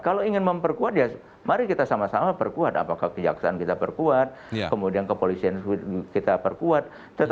kalau ingin memperkuat ya mari kita sama sama perkuat apakah kejaksaan kita perkuat kemudian kepolisian kita perkuat